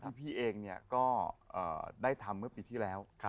พี่เองก็ได้ทำเมื่อปีที่แล้ว